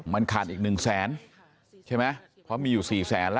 มันขาดอีกหนึ่งแสนใช่ไหมเพราะมีอยู่สี่แสนละ